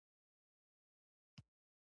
د ټولنې ټولې اقتصادي چارې د دوی په لاس کې دي